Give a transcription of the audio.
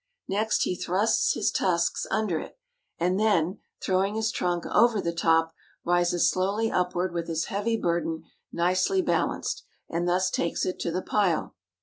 Next he thrusts his tusks under it, and then, throwing his trunk over the top, rises slowly upward with his heavy burden nicely balanced, and thus takes it to the pile.